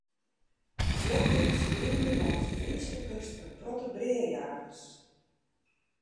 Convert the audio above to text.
Eartiids wienen der lâns de Fryske kust in protte breajagers.